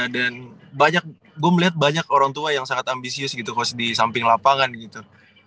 dan banyak gua melihat banyak orang tua yang sangat ambisius gitu coach di samping lapangan gitu